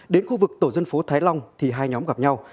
đến khu vực tổ dân phố thái long thì hai nhóm gặp nhau